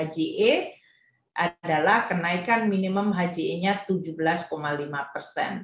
ge adalah kenaikan minimum hje nya tujuh belas lima persen